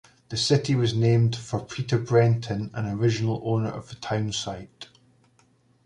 The city was named for Peter Brenton, an original owner of the town site.